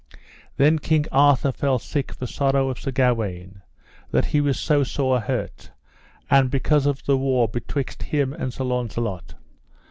Then King Arthur fell sick for sorrow of Sir Gawaine, that he was so sore hurt, and because of the war betwixt him and Sir Launcelot.